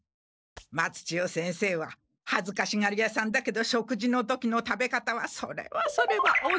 松千代先生ははずかしがり屋さんだけど食事の時の食べ方はそれはそれはお上品で。